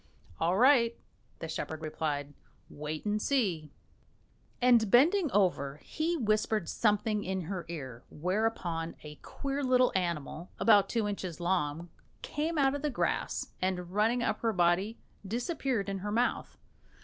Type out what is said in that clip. "All right," the shepherd replied, "wait and see." And bending over her, he whispered something in her ear, whereupon a queer little animal about two inches long came out of the grass, and running up her body, disappeared in her mouth.